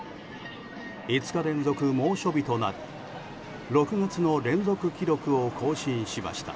５日連続猛暑日となり６月の連続記録を更新しました。